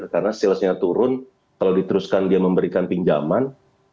karena salesnya turun kalau diteruskan dia memberikan pinjaman